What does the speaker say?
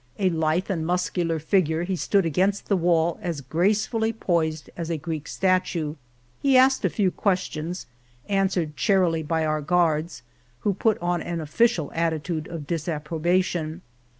A lithe and muscular figure, he stood against the wall as gracefully poised as a Greek statue. He asked a few ques tions, answered charily by our guards, who put on an official attitude of disapprobation.